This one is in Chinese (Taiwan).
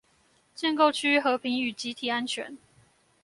建構區域和平與集體安全